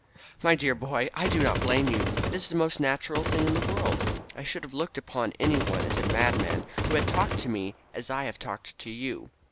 "My dear boy, I do not blame you. It was the most natural thing in the world. I should have looked upon anyone as a madman who had talked to me as I have talked to you.